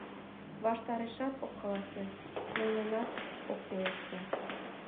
Ваштарешат ок каласе, темленат ок пелеште.